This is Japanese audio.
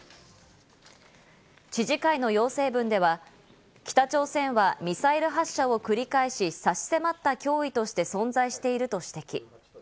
知事会の要請文では北朝鮮はミサイル発射を繰り返し差し迫った脅威として存在していると指摘。